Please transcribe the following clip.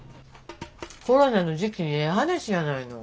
コロナの時期にええ話やないの。